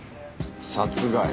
殺害。